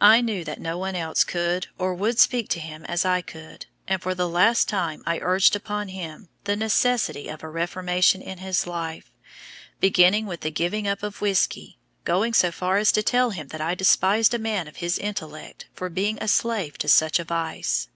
I knew that no one else could or would speak to him as I could, and for the last time I urged upon him the necessity of a reformation in his life, beginning with the giving up of whisky, going so far as to tell him that I despised a man of his intellect for being a slave to such a vice.